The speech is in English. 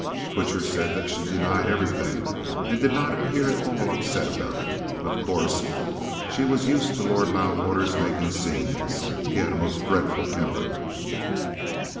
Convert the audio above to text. "Twitcher said that she denied everything, and did not appear at all upset about it. Of course, she was used to Lord Loudwater's making scenes. He had a most dreadful temper."